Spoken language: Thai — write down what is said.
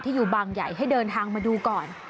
อยู่บางใหญ่ให้เดินทางมาดูก่อน